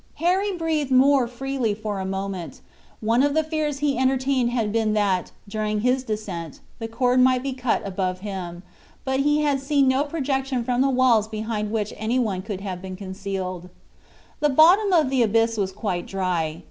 Harry breathed more freely for a moment. One of the fears he entertained had been that, during his descent, the cord might be cut above him, but he had seen no projection from the walls behind which anyone could have been concealed. The bottom of the abyss was quite dry.